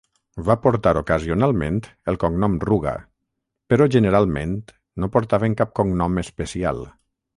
Van portar ocasionalment el cognom Ruga, però generalment no portaven cap cognom especial.